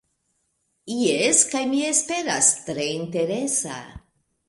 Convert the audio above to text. Jes, kaj, mi esperas, tre interesa.